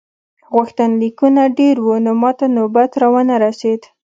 غوښتنلیکونه ډېر وو نو ماته نوبت را ونه رسیده.